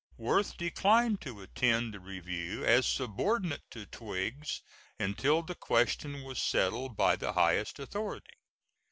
Worth declined to attend the review as subordinate to Twiggs until the question was settled by the highest authority.